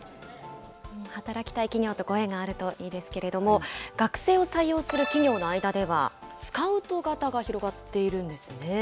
働きたい企業とご縁があるといいですけれども、学生を採用する企業の間では、スカウト型が広がっているんですね。